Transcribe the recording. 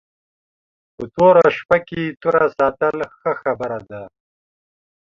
په توره شپه کې توره ساتل ښه خبره ده